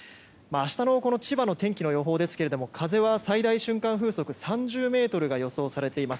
明日の千葉の天気の予報は風は最大瞬間風速３０メートルが予想されています。